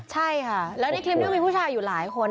ใช่ค่ะแล้วในคลิปนี้มีผู้ชายอยู่หลายคน